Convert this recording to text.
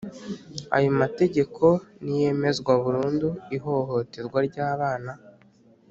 ayo mategeko niyemezwa burundu ihohoterwa ry’abana